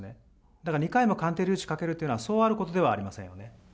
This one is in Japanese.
だから２回も鑑定留置かけるっていうのはそうあることではありま